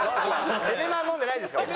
エメマン飲んでないですから僕。